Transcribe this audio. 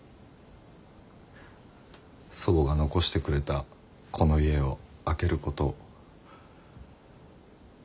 祖母が残してくれたこの家を空けること。